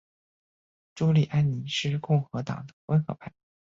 朱利安尼是共和党的温和派。